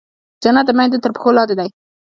جنت د مېندو تر پښو لاندې دی.